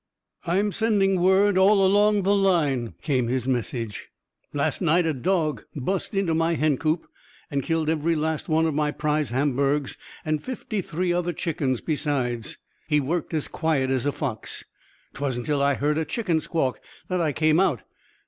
"I'm sending word all along the line," came his message. "Last night a dog bust into my hencoop and killed every last one of my prize Hamburgs and fifty three other chickens, besides. He worked as quiet as a fox. 'Twasn't till I heard a chicken squawk that I came out.